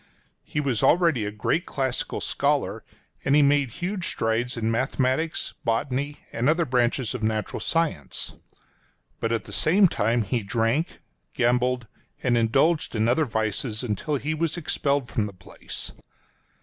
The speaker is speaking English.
He was already a great classical scholar, and he made huge strides in mathematics, botany, and other branches of natural science. But at the same time he drank, gambled, and indulged in other vices until he was expelled from the place.